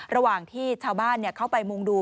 ระหว่างที่ชาวบ้านเข้าไปมุงดู